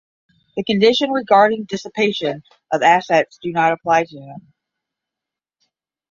The condition regarding dissipation of assets do not apply to him.